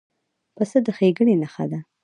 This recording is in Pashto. پسه د ښېګڼې نښه ده.